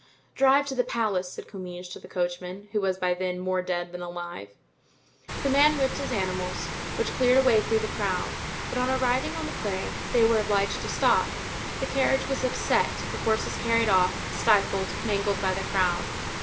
"Drive to the palace," said Comminges to the coachman, who was by then more dead than alive. The man whipped his animals, which cleared a way through the crowd; but on arriving on the Quai they were obliged to stop; the carriage was upset, the horses carried off, stifled, mangled by the crowd.